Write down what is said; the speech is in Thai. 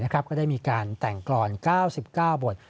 ก็ได้มีการแต่งกรอน๙๙บท